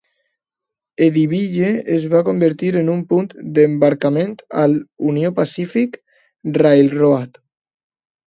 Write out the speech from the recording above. Eddyville es va convertir en un punt d'embarcament al Union Pacific Railroad.